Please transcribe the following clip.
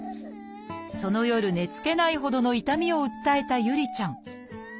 その夜寝つけないほどの痛みを訴えた侑里ちゃん。